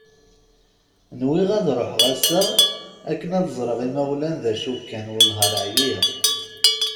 Nwiɣ ad ruḥeɣ ass-a akken ad ẓreɣ imawlan d acu kan wellah ar ɛyiɣ.